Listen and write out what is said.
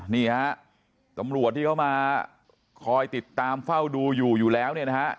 นี่ฮะตำรวจที่เขามาคอยติดตามเฝ้าดูอยู่อยู่แล้วเนี่ยนะฮะ